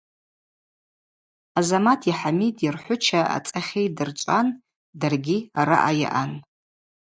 Азамати Хӏамиди рхӏвыча ацӏахьы йдырчӏван даргьи араъа йаъан.